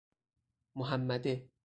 محمده